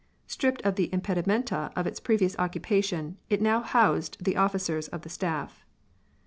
Stripped of the impedimenta of its previous occupation, it now housed the officers of the staff.